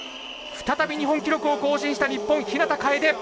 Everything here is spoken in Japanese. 再び日本記録を更新した日本、日向楓。